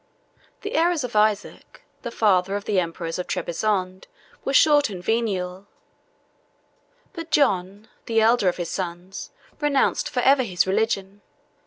The errors of Isaac, the father of the emperors of Trebizond, were short and venial; but John, the elder of his sons, renounced forever his religion.